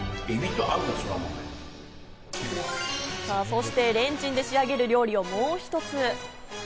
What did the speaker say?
そしてレンチンで仕上げる料理をもう一つ。